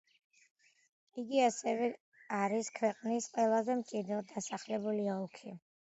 იგი, ასევე, არის ქვეყნის ყველაზე მჭიდროდ დასახლებული ოლქი.